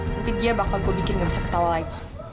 nanti dia bakal gue bikin nggak bisa ketawa lagi